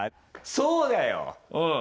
そうだようん。